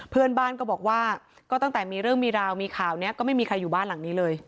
เพื่อนบ้านก็บอกว่าก็ตั้งแต่มีเรื่องมีราวมีข่าวนี้ก็ไม่มีใครอยู่บ้านหลังนี้เลย